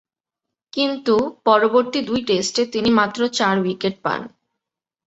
কিন্তু, পরবর্তী দুই টেস্টে তিনি মাত্র চার উইকেট পান।